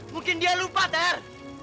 mungkin dia lupa ter